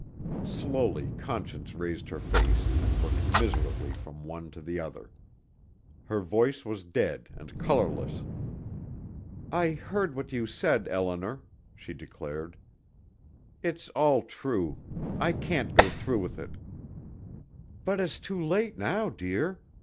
Slowly Conscience raised her face and looked miserably from one to the other. Her voice was dead and colorless. "I heard what you said, Eleanor," she declared. "It's all true.... I can't go through with it." "But it's too late now, dear!"